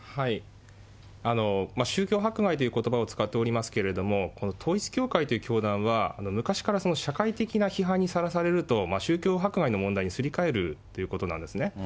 宗教迫害ということばを使っておりますけれども、統一教会という教団は、昔から社会的な批判にさらされると、宗教迫害の問題にすり替えるということなんですね。